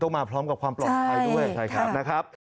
ต้องมาพร้อมกับความปลอดภัยด้วยนะครับนะครับใช่ใช่